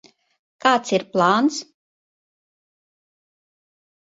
Kāds ir plāns?